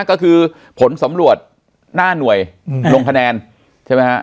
ก็คือผลสำรวจหน้าหน่วยลงคะแนนใช่ไหมฮะ